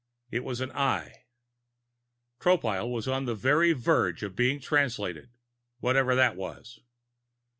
It was an Eye. Tropile was on the very verge of being Translated ... whatever that was.